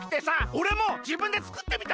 おれもじぶんでつくってみたの！